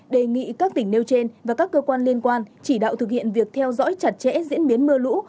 đề nghị các tỉnh nêu trên và các cơ quan liên quan chỉ đạo thực hiện việc theo dõi chặt chẽ diễn biến mưa lũ